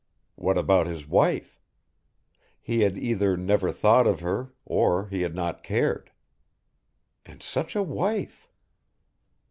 What about his wife? He had either never thought of her, or he had not cared. And such a wife!